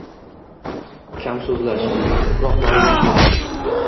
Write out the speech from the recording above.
Kam so‘zlash – ko‘proq ma’lumot berish.